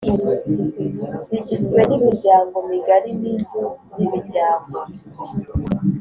zigizwe n’imiryango migari n’inzu z’imiryango